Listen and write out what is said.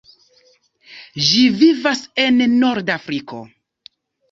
Ĝi vivas en Nordafriko.